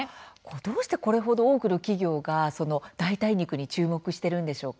どうしてこれほど多くの企業が代替肉に注目しているんでしょうか。